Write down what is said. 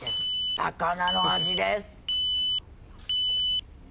高菜の味です！